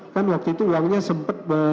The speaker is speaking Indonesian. kan waktu itu uangnya sempat